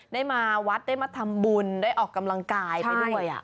ได้มาวัดได้มาทำบุญได้ออกกำลังกายไปด้วย